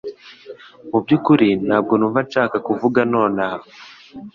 Mu byukuri ntabwo numva nshaka kuvuga nonaha